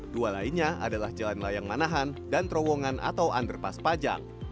dua lainnya adalah jalan layang manahan dan terowongan atau underpass pajang